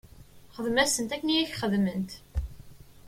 Xdem-asent akken i k-xedment.